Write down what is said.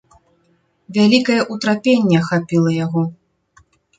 Вялікае ўтрапенне ахапіла яго.